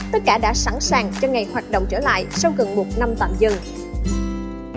tất cả đã sẵn sàng cho ngày hoạt động trở lại sau gần một năm tạm dừng